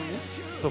そう。